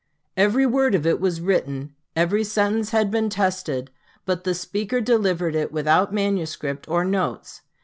Every word of it was written, every sentence had been tested; but the speaker delivered it without manuscript or notes.